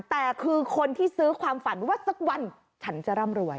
แต่คือคนที่ซื้อความฝันว่าสักวันฉันจะร่ำรวย